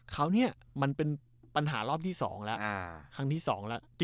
คราวนี้มันเป็นปัญหารอบที่๒แล้วครั้งที่๒แล้ว